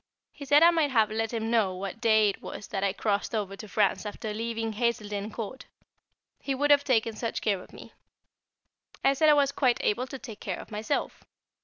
He said I might have let him know what day it was that I crossed over to France after leaving Hazeldene Court he would have taken such care of me. I said I was quite able to take care of myself.